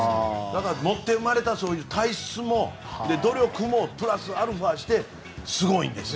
持って生まれた体質も努力もプラスアルファしてすごいんですよ。